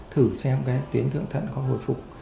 thử xem cái tuyến thượng thận có hồi phục